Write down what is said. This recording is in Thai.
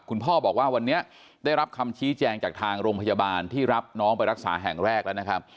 คุณพ่อบอกว่าวันนี้ได้รับคำชี้แจงจากทางโรงพยาบาลที่รับน้องไปรักษาแห่งแรกแล้วนะครับ